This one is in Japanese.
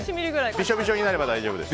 びしょびしょになれば大丈夫です。